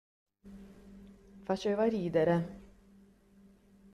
Faceva ridere.